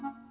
ya ya gak